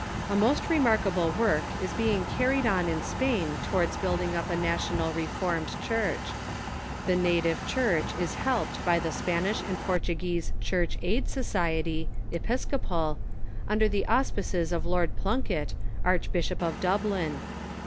A most remarkable work is being carried on in Spain towards bililding up a national Reformed Church. The native Church is helped by the Spanish and Portuguese Church Aid Society (Episcopal), under the auspices of Lord Plunket, Archbishop of Dublin.